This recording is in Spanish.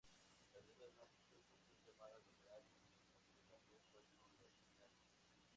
Las líneas más extensas son llamadas laterales, mientras que las otras son las finales.